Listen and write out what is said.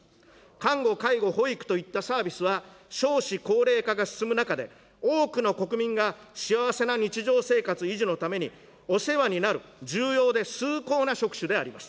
看護、介護、保育といったサービスは、少子高齢化が進む中で、多くの国民が幸せな日常生活維持のために、お世話になる重要で崇高な職種であります。